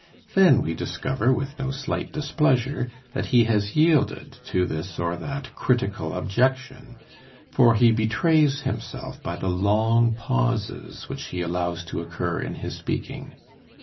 Then we discover with no slight displeasure that he has yielded to this or that critical objection, for he betrays himself by the long pauses which he allows to occur in his speaking.